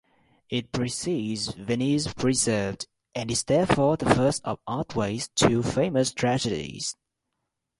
It precedes "Venice Preserv'd" and is therefore the first of Otway's two famous tragedies.